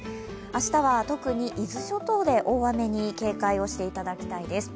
明日は特に伊豆諸島で大雨に警戒をしていただきたいです。